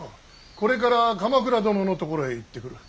これから鎌倉殿のところへ行ってくる。